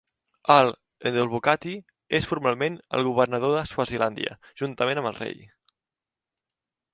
El ndlovukati és formalment el governador de Swazilàndia, juntament amb el rei.